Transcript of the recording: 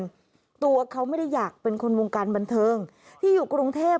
ตัวเขาไม่ได้อยากเป็นคนวงการบันเทิงที่อยู่กรุงเทพ